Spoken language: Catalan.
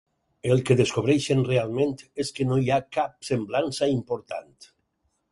El que descobreixen realment és que no hi ha cap semblança important.